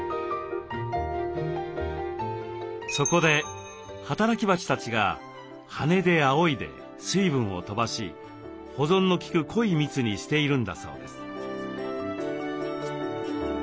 そこで働き蜂たちが羽であおいで水分を飛ばし保存のきく濃い蜜にしているんだそうです。